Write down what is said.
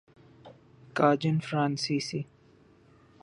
کاجن فرانسیسی